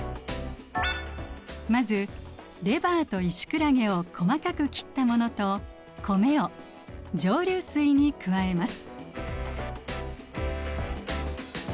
まずレバーとイシクラゲを細かく切ったものと米を蒸留水に加えます。